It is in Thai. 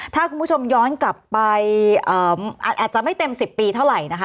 ถ้าคุณผู้ชมย้อนกลับไปอาจจะไม่เต็ม๑๐ปีเท่าไหร่นะคะ